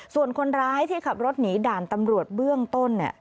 ส่วนคนร้ายที่ขับรถหนีด่านตำรวจเบื้องต้นเนี่ย